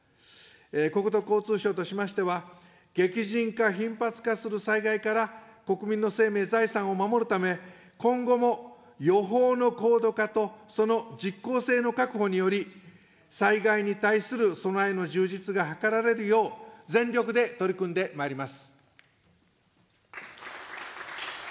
国土交通省としましては、激甚化、頻発化する災害から、国民の生命・財産を守るため、今後も予報の高度化と、その実効性の確保により、災害に対する備えの充実が図られるよう、全力で取り組んでまいります。